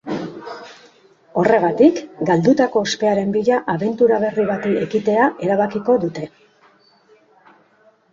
Horregatik, galdutako ospearen bila abentura berri bati ekitea erabakiko dute.